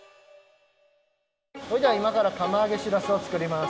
それじゃあいまからかまあげしらすを作ります。